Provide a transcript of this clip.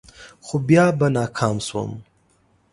خو بیا به ناکام شوم.